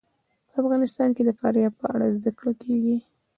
په افغانستان کې د فاریاب په اړه زده کړه کېږي.